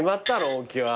大木は。